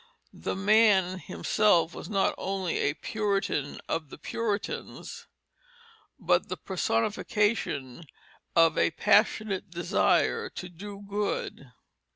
The man himself was not only a Puritan of the Puritans, but the personification of a passionate desire to do good.